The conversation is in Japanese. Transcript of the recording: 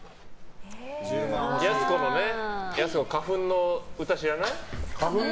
やす子の花粉の歌知らない？